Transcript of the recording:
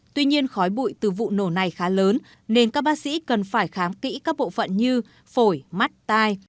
tuy nhiên khói bụi từ vụ nổ này khá lớn nên các bác sĩ cần phải khám kỹ các bộ phận như phổi mắt tai